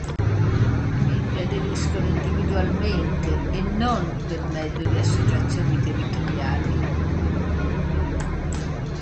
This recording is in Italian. I membri aderiscono individualmente, e non per mezzo di associazioni territoriali.